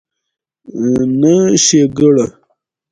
نه ښېګړه